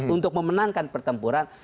untuk memenangkan pertempuran